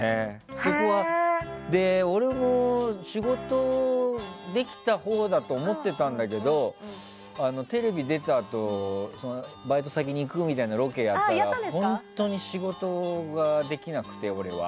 俺も仕事できたほうだと思ってたんだけどテレビに出たあとバイト先に行くみたいなロケをやったら本当に仕事ができなくて俺は。